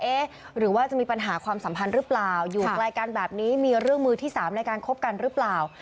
หรือว่าจะมีปัญหาความสัมพันธ์หรือเปล่าอยู่ไกลกันแบบนี้มีเรื่องมือที่สามในการคบกันหรือเปล่า